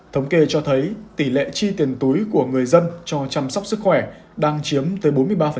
thống kê cho thấy tỷ lệ chi tiền túi của người dân cho chăm sóc sức khỏe đang chiếm tới bốn mươi ba